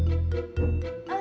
aduh kamu orang raja